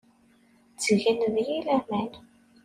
Ttgen deg-i laman.